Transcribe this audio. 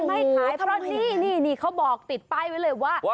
ไม่ขายเพราะนี่นี่เขาบอกติดป้ายไว้เลยว่า